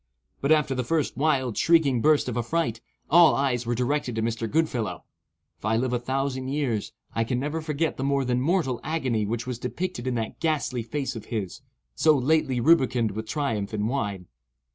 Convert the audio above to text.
But after the first wild, shrieking burst of affright, all eyes were directed to Mr. Goodfellow. If I live a thousand years, I can never forget the more than mortal agony which was depicted in that ghastly face of his, so lately rubicund with triumph and wine.